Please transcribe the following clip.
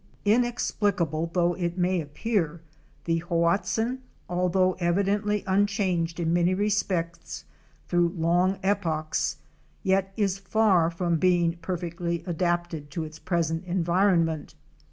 Inexplicable though it may appear, the Hoatzin — although evidently unchanged in many respects through long epochs — yet is far from being per fectly adapted to its present environment.